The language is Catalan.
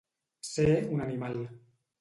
Ser un animal.